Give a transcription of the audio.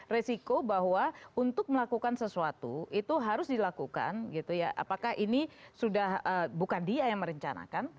resiko bahwa untuk melakukan sesuatu itu harus dilakukan gitu ya apakah ini sudah bukan dia yang merencanakan